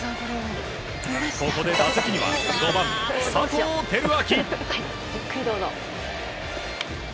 ここで打席には５番、佐藤輝明。